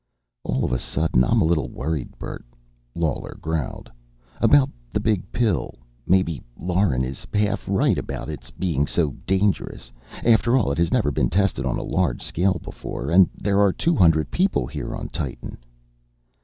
"All of a sudden I'm a little worried, Bert," Lawler growled. "About the Big Pill. Maybe Lauren is half right about its being so dangerous. After all it has never been tested on a large scale before. And there are two hundred people here on Titan.